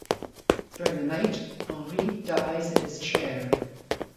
During the night, Henri dies in his chair.